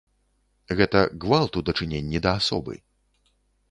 Гэта гвалт у дачыненні да асобы.